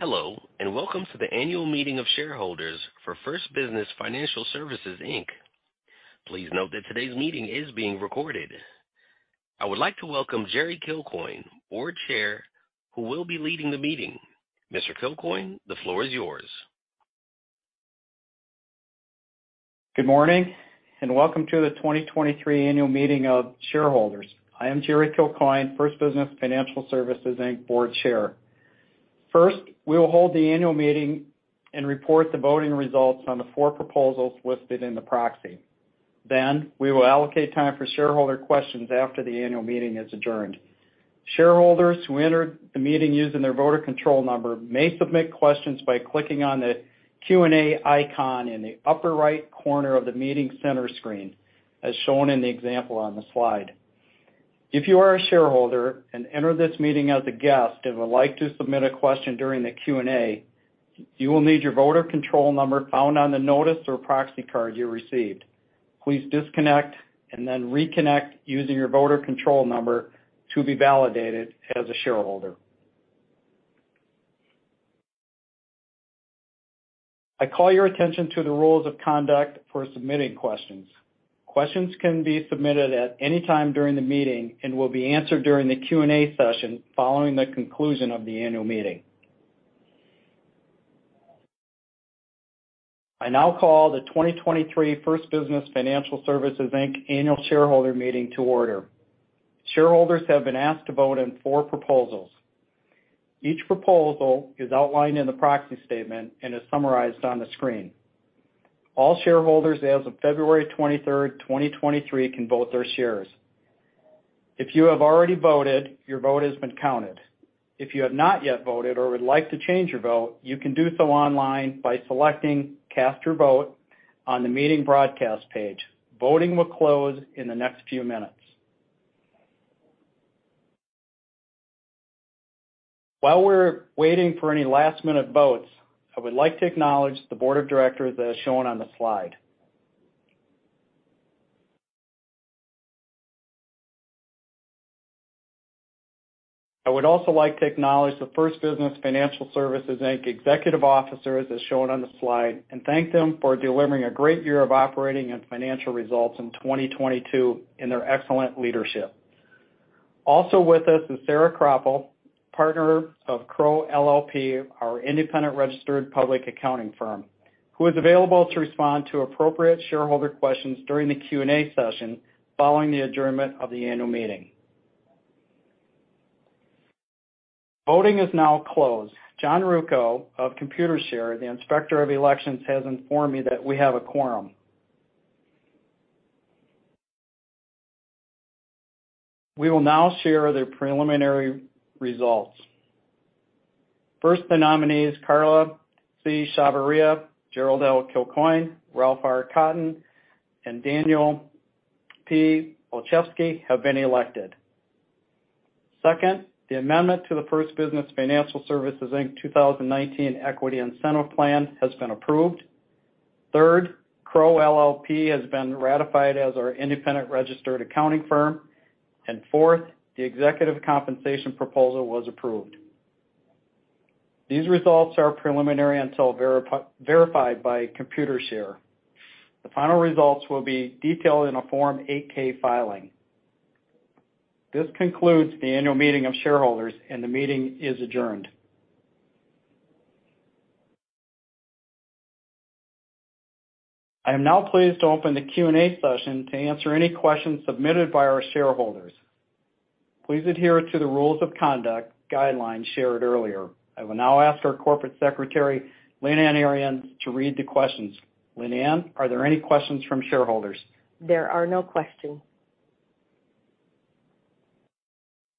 Hello, and welcome to the annual meeting of shareholders for First Business Financial Services Inc. Please note that today's meeting is being recorded. I would like to welcome Jerry Kilcoyne, Board Chair, who will be leading the meeting. Mr. Kilcoyne, the floor is yours. Good morning, welcome to the 2023 annual meeting of shareholders. I am Jerry Kilcoyne, First Business Financial Services, Inc., Board Chair. First, we will hold the annual meeting and report the voting results on the 4 proposals listed in the proxy. We will allocate time for shareholder questions after the annual meeting is adjourned. Shareholders who entered the meeting using their voter control number may submit questions by clicking on the Q&A icon in the upper right corner of the meeting center screen, as shown in the example on the slide. If you are a shareholder and enter this meeting as a guest and would like to submit a question during the Q&A, you will need your voter control number found on the notice or proxy card you received. Please disconnect and then reconnect using your voter control number to be validated as a shareholder. I call your attention to the rules of conduct for submitting questions. Questions can be submitted at any time during the meeting and will be answered during the Q&A session following the conclusion of the annual meeting. I now call the 2023 First Business Financial Services, Inc. annual shareholder meeting to order. Shareholders have been asked to vote on four proposals. Each proposal is outlined in the proxy statement and is summarized on the screen. All shareholders as of February twenty-third, 2023 can vote their shares. If you have already voted, your vote has been counted. If you have not yet voted or would like to change your vote, you can do so online by selecting Cast Your Vote on the meeting broadcast page. Voting will close in the next few minutes. While we're waiting for any last-minute votes, I would like to acknowledge the board of directors as shown on the slide. I would also like to acknowledge the First Business Financial Services, Inc. executive officers as shown on the slide, and thank them for delivering a great year of operating and financial results in 2022 and their excellent leadership. Also with us is Sara Krople, partner of Crowe LLP, our independent registered public accounting firm, who is available to respond to appropriate shareholder questions during the Q&A session following the adjournment of the annual meeting. Voting is now closed. John Ruocco of Computershare, the Inspector of Elections, has informed me that we have a quorum. We will now share the preliminary results. First, the nominees Carla C. Chavarria, Gerald L. Kilcoyne, Ralph R. Cotton, and Daniel P. Olszewski have been elected. Second, the amendment to the First Business Financial Services Inc. 2019 Equity Incentive Plan has been approved. Third, Crowe LLP has been ratified as our independent registered accounting firm. Fourth, the executive compensation proposal was approved. These results are preliminary until verified by Computershare. The final results will be detailed in a Form 8-K filing. This concludes the annual meeting of shareholders, and the meeting is adjourned. I am now pleased to open the Q&A session to answer any questions submitted by our shareholders. Please adhere to the rules of conduct guidelines shared earlier. I will now ask our Corporate Secretary, Lynn Ann Arians, to read the questions. Lynn Ann, are there any questions from shareholders? There are no questions.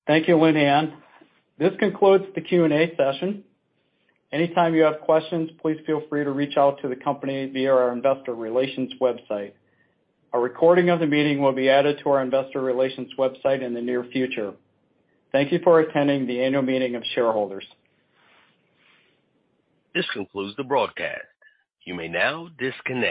Thank you, Lynn Ann. This concludes the Q&A session. Anytime you have questions, please feel free to reach out to the company via our investor relations website. A recording of the meeting will be added to our investor relations website in the near future. Thank you for attending the annual meeting of shareholders. This concludes the broadcast. You may now disconnect.